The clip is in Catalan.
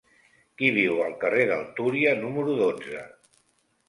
Qui viu al carrer del Túria número dotze?